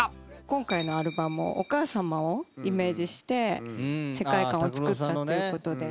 今回のアルバムはお母さまをイメージして世界観をつくったということで。